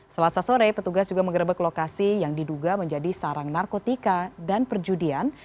selasa sore petugas juga mengerebek lokasi yang diduga menjadi sarang narkotika dan perjudian